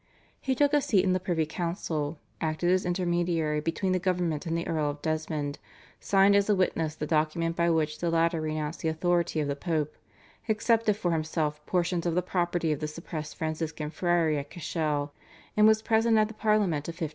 He took a seat in the privy council, acted as intermediary between the government and the Earl of Desmond, signed as a witness the document by which the latter renounced the authority of the Pope, accepted for himself portions of the property of the suppressed Franciscan Friary at Cashel, and was present at the Parliament of 1541.